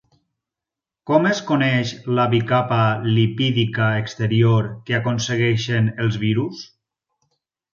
Com es coneix la bicapa lipídica exterior que aconsegueixen els virus?